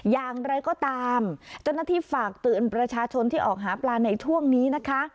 อย่างไรก็ตามเจ้าหน้าที่ฝากเตือนประชาชนที่ออกหาปลาในช่วงนี้นะคะ